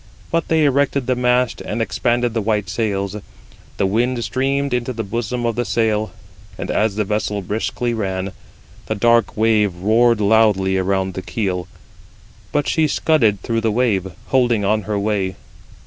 But they erected the mast and expanded the white sails. The wind streamed 56 into the bosom of the sail; and as the vessel briskly ran, the dark wave roared loudly around the keel; but she scudded through the wave, holding on her way.